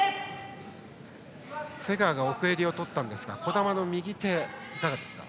瀬川が奥襟を取りましたが児玉の右手、いかがですか。